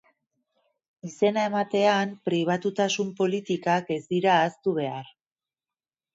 Izena ematean, pribatutasun politikak ez dira ahaztu behar.